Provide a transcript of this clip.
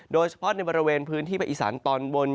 โดยเฉพาะในบริเวณพื้นที่ภาคอีสานตอนบน